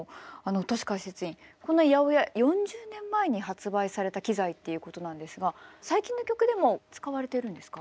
トシかいせついんこの８０８４０年前に発売された機材っていうことなんですが最近の曲でも使われてるんですか？